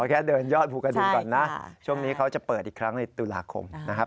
แค่เดินยอดภูกระดึงก่อนนะช่วงนี้เขาจะเปิดอีกครั้งในตุลาคมนะครับ